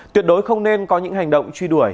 tuyệt đối không nên có những hành động truy đuổi